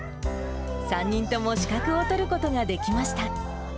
３人とも資格を取ることができました。